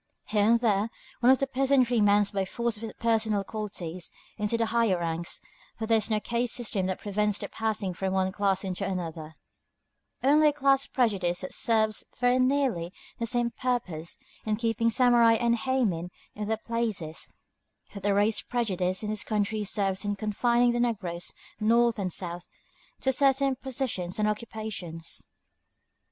Here and there one from the peasantry mounts by force of his personal qualities into the higher ranks, for there is no caste system that prevents the passing from one class into another, only a class prejudice that serves very nearly the same purpose, in keeping samurai and héimin in their places, that the race prejudice in this country serves in confining the negroes, North and South, to certain positions and occupations.